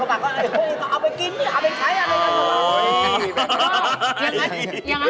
พวกมันต้องเอาไปกินเอาไปใช้อะไรอย่างนั้น